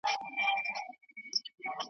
مړاوي سوي رژېدلي د نېستۍ کندي ته تللي .